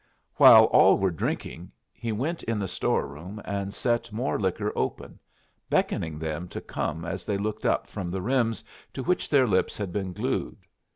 While all were drinking he went in the store room and set more liquor open, beckoning them to come as they looked up from the rims to which their lips had been glued.